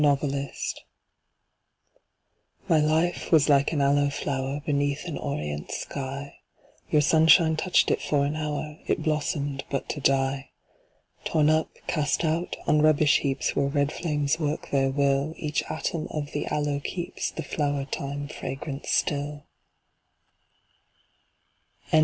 The Aloe My life was like an Aloe flower, beneath an orient sky, Your sunshine touched it for an hour; it blossomed but to die. Torn up, cast out, on rubbish heaps where red flames work their will Each atom of the Aloe keeps the flower time fragrance still.